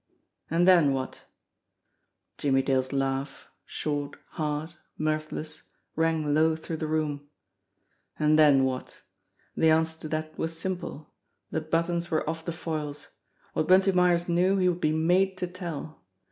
And then, what? Jimmie Dale's laugh, short, hard, mirthless, rang low through the room. And then, what? The answer to that was simple. The buttons were off the foils. What Bunty Myers knew he would be made to tell.